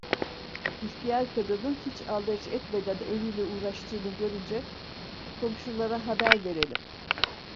İhtiyar kadının hiç aldırış etmeden ölüyle uğraştığını görünce: "Komşulara haber verelim!"